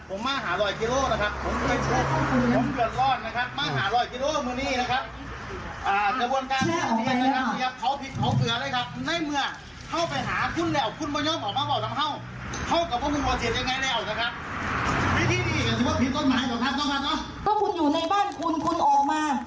พูดลงไปเลยพริกผุดให้เกินเลยขอให้อยู่ไม่แฟนสุดอยู่ไม่ได้ต้องออกมา